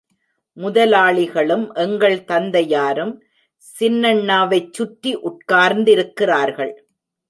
முதலாளிகளும் எங்கள் தந்தை யாரும் சின்னண்ணாவைச் சுற்றி உட்கார்ந்திருக்கிறார்கள்.